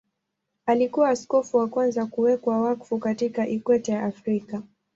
Alikuwa askofu wa kwanza kuwekwa wakfu katika Ikweta ya Afrika.